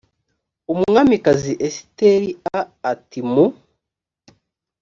umwamikazi esiteri a ati mu